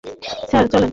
Sir, চলেন।